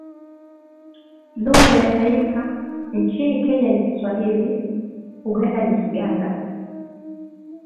Lugha ya taifa, nchini Kenya ni Kiswahili; Uganda ni Kiganda.